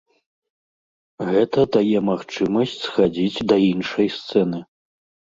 Гэта дае магчымасць схадзіць да іншай сцэны.